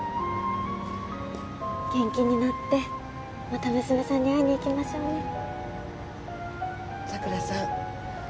元気になってまた娘さんに会いに行きましょうね佐倉さん